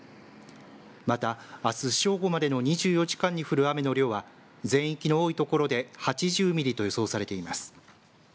また、あす正午までの２４時間に降る雨の量は全域の多いところで８０ミリと予想されています。